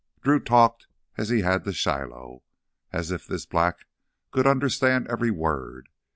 Drew talked as he had to Shiloh, as if this black could understand every word.